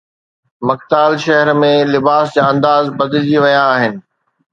مڪتال شهر ۾ لباس جا انداز بدلجي ويا آهن